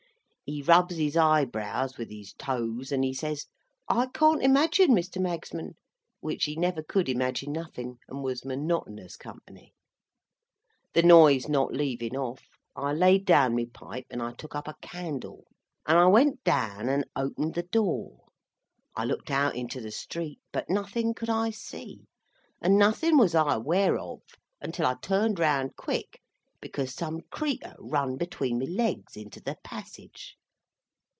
He rubs his eyebrows with his toes, and he says, "I can't imagine, Mr. Magsman"—which he never could imagine nothin, and was monotonous company. The noise not leavin off, I laid down my pipe, and I took up a candle, and I went down and opened the door. I looked out into the street; but nothin could I see, and nothin was I aware of, until I turned round quick, because some creetur run between my legs into the passage.